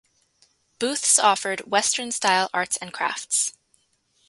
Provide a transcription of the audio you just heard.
Booths offered western-style arts and crafts.